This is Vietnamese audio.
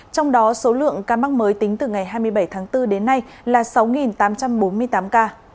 trong đó số lượng ca mắc mới tính từ ngày hai mươi bảy tháng bốn đến nay là sáu tám trăm bốn mươi tám ca